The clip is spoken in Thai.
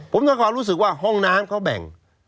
ผมด้วยความรู้สึกว่าห้องน้ำเขาแบ่ง